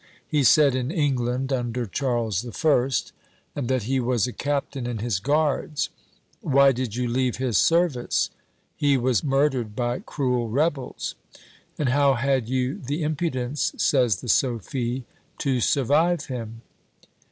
He said 'in England under Charles the First, and that he was a captain in his guards.' 'Why did you leave his service?' 'He was murdered by cruel rebels.' 'And how had you the impudence,' says the Sophy, 'to survive him?'